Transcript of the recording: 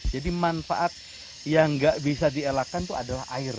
jadi manfaat yang tidak bisa dielakkan itu adalah air